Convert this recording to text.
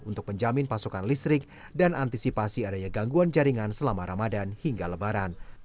untuk menjamin pasokan listrik dan antisipasi adanya gangguan jaringan selama ramadan hingga lebaran